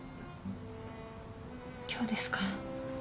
今日ですか。